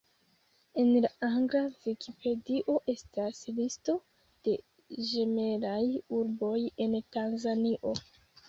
En la angla Vikipedio estas listo de ĝemelaj urboj en Tanzanio.